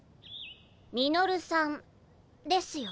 ミノルさんですよね？